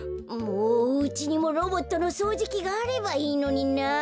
もううちにもロボットのそうじきがあればいいのにな。